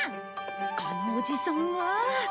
あのおじさんは？